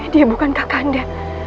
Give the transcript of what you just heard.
dia bukan kakak anda